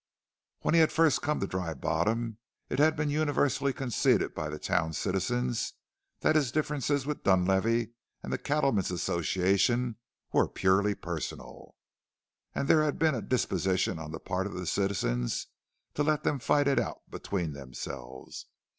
When he had first come to Dry Bottom it had been universally conceded by the town's citizens that his differences with Dunlavey and the Cattlemen's Association were purely personal, and there had been a disposition on the part of the citizens to let them fight it out between themselves.